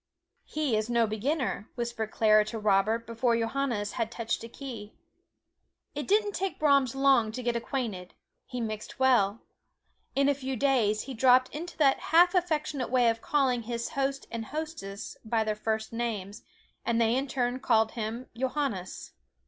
"He is no beginner," whispered Clara to Robert before Johannes had touched a key. It didn't take Brahms long to get acquainted he mixed well. In a few days he dropped into that half affectionate way of calling his host and hostess by their first names, and they in turn called him "Johannes."